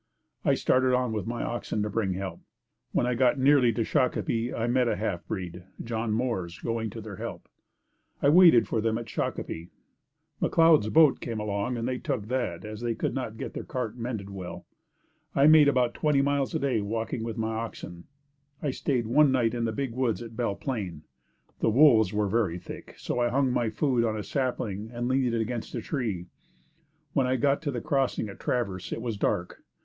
I started on with my oxen to bring help. When I got nearly to Shakopee, I met a half breed, John Moores, going to their help. I waited for them in Shakopee. McLeod's boat came along and they took that as they could not get their cart mended well. I could make about twenty miles a day walking with my oxen. I stayed one night in the big woods at Belle Plaine. The wolves were very thick, "so I hung my food on a sapling and leaned it against a tree. When I got to the crossing at Traverse, it was dark.